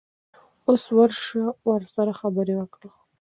اوس ورشه ورسره خبرې وکړه.